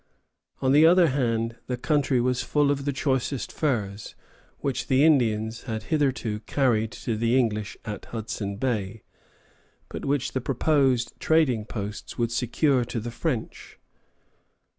On the other hand, the country was full of the choicest furs, which the Indians had hitherto carried to the English at Hudson Bay, but which the proposed trading posts would secure to the French.